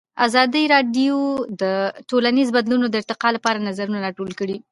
ازادي راډیو د ټولنیز بدلون د ارتقا لپاره نظرونه راټول کړي.